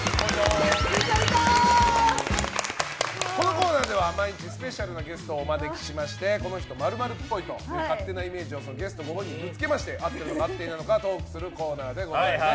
このコーナーでは毎日スペシャルなゲストをお招きしましてこの人○○っぽいという勝手なイメージをゲストご本人にぶつけまして合ってるのか合っていないのかトークするコーナーです。